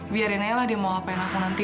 biarin aja lah dia mau ngapain aku nanti